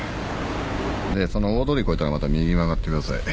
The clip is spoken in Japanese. でその大通り越えたらまた右曲がってください。